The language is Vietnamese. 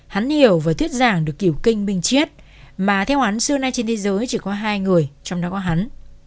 hắn hiểu và thuyết giảng được kiểu kinh minh chiết mà theo hắn xưa nay trên thế giới chỉ có hai người trong đó có hắn